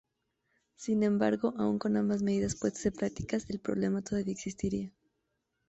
Sin embargo, aún con ambas medidas puestas en práctica, el problema todavía existiría.